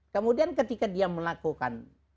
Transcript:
kemudian ketika dia melakukan